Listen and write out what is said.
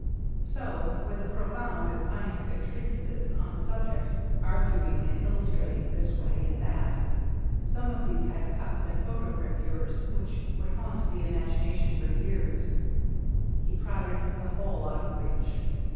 So, with the profound and scientific treatises on the subject, arguing and illustrating this way and that (some of these had cuts and photogravures which would haunt the imagination for years), he crowded the whole out of reach.